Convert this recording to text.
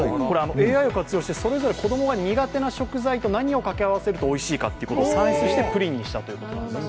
ＡＩを活用してそれぞれ子供が苦手な食材と何を掛け合わせるとおいしいかということを算出してプリンにしたということです。